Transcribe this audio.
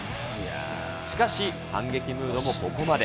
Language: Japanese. しかし反撃ムードもここまで。